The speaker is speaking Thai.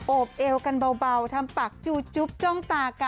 บเอวกันเบาทำปากจูจุ๊บจ้องตากัน